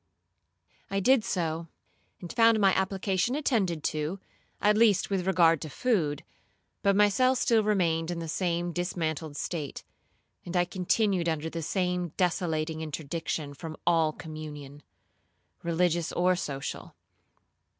I did so, and found my application attended to, at least with regard to food, but my cell still remained in the same dismantled state, and I continued under the same desolating interdiction from all communion, religious or social.